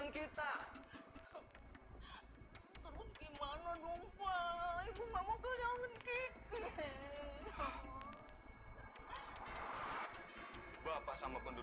kita udah nyampe di perkampungan nek